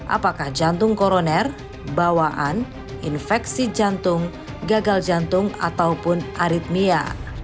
apakah jantung koroner bawaan infeksi jantung gagal jantung ataupun aritmia